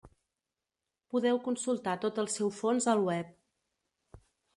Podeu consultar tot el seu fons al web.